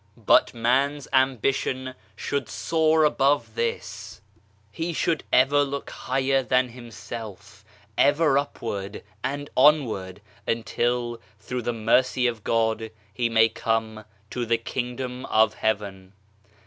But man's ambition should soar above this he 64 SPIRITUAL ASPIRATION should ever look higher than himself, ever upward and onward, until through the Mercy of God he may come to the Kingdom of Heaven.